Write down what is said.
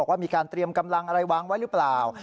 ว่ามีการเตรียมกำลังอะไรวางไว้หรือเปล่า